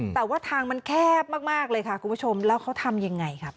แต่ว่าทางมันแคบมากเลยค่ะคุณผู้ชมแล้วเขาทำยังไงครับ